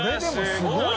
すごい。